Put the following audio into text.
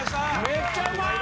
めっちゃうまい！